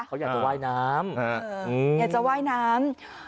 เขาอยากจะว่ายน้ำอยากจะว่ายน้ำ